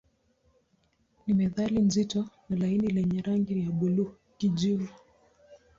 Ni metali nzito na laini yenye rangi ya buluu-kijivu.